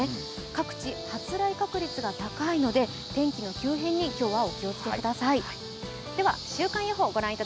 各地、発雷確率が高いので、天気の急変に今日はお気をつけください。